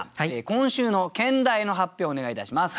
今週の兼題の発表をお願いいたします。